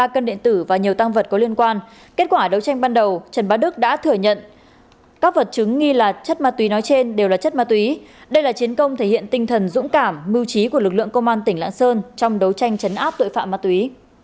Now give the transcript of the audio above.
ba cân điện tử và nhiều tăng vật có liên quan kết quả đấu tranh ban đầu trần bá đức đã thừa nhận các vật chứng nghi là chất ma túy nói trên đều là chất ma túy đây là chiến công thể hiện tinh thần dũng cảm mưu trí của lực lượng công an tỉnh lạng sơn trong đấu tranh chấn áp tội phạm ma túy